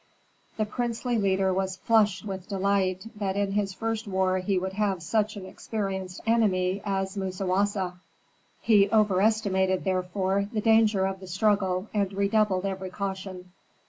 The princely leader was flushed with delight that in his first war he would have such an experienced enemy as Musawasa. He overestimated, therefore, the danger of the struggle and redoubled every caution.